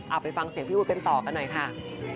เอาไปฟังเสียงพี่วุฒิกันต่อกันหน่อยค่ะ